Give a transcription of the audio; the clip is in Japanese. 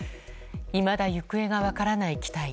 いまだ行方が分からない機体。